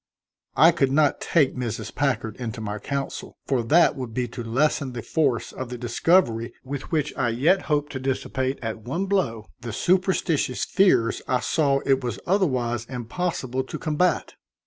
I could not take Mrs. Packard into my counsel, for that would be to lessen the force of the discovery with which I yet hoped to dissipate at one blow the superstitious fears I saw it was otherwise impossible to combat.